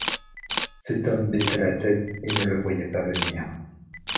Cet homme baissait la tête et ne le voyait pas venir.